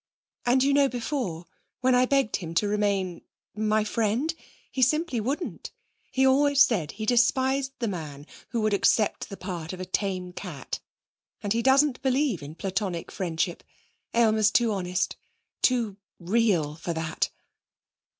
And you know, before, when I begged him to remain ... my friend ... he simply wouldn't. He always said he despised the man who would accept the part of a tame cat. And he doesn't believe in Platonic friendship: Aylmer's too honest, too real for that.'